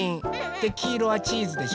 できいろはチーズでしょ。